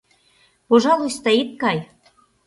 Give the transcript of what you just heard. — Пожалуйста, ит кай!